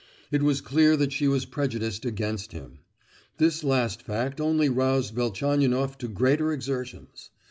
It was clear that she was prejudiced against him. This last fact only roused Velchaninoff to greater exertions.